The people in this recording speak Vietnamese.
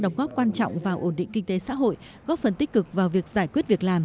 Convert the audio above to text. đóng góp quan trọng vào ổn định kinh tế xã hội góp phần tích cực vào việc giải quyết việc làm